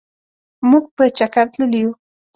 مونږ په چکرتللي وو.